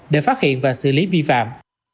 để phát hiện và xử lý vi phạm